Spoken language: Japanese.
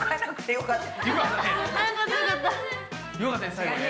よかったね